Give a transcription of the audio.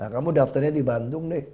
kamu daftarnya di bandung nih